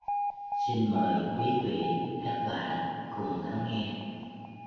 Xin mời quý vị các bạn cùng lắng nghe